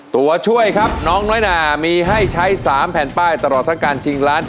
ตัวช่วยครับน้องน้อยนามีให้ใช้๓แผ่นป้ายตลอดทั้งการชิงล้าน